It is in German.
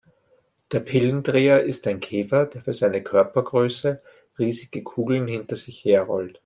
Der Pillendreher ist ein Käfer, der für seine Körpergröße riesige Kugeln hinter sich her rollt.